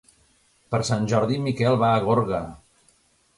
Per Sant Jordi en Miquel va a Gorga.